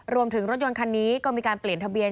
รวมถึงรถยนต์คันนี้ก็มีการเปลี่ยนทะเบียน